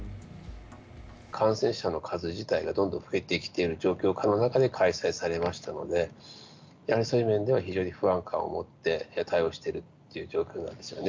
感染者の数自体がどんどん増えてきている状況下の中で開催されましたので、やはりそういう面では非常に不安感を持って対応しているという状況なんですよね。